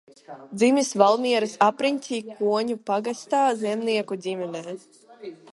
Dzimis Valmieras apriņķī, Ķoņu pagastā zemnieku ģimenē.